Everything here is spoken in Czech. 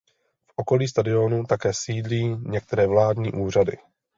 V okolí stadionu také sídlí některé vládní úřady.